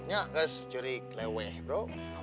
nggak kes curi keleweh bro